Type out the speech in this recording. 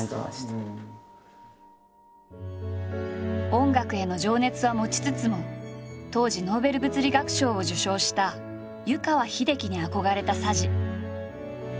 音楽への情熱は持ちつつも当時ノーベル物理学賞を受賞した湯川秀樹に憧れた佐治。